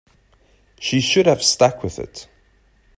She should have stuck with it.